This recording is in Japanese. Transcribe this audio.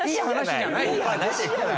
いい話じゃない。